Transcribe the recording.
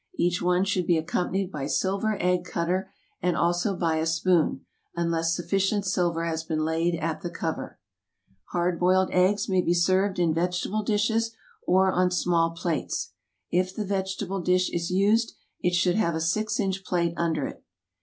Each one should be accompanied by silver egg cut ter, and also by a spoon, unless sufficient silver has been laid at the cover. Hard boiled eggs may be served in TeaandTable Spoons Cleremont pat vegetable dishes or on small plates. It the tern> typical vegetable dish is used, it should have a six Colonial design inch plate under it.